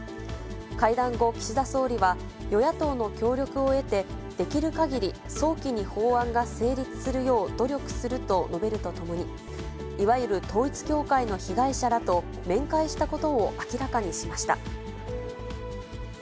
会談後、岸田総理は、与野党の協力を得て、できるかぎり早期に法案が成立するよう努力すると述べるとともに、いわゆる統一教会の被害者らと面会したことを明らかにしました。